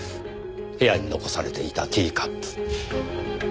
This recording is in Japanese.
部屋に残されていたティーカップ。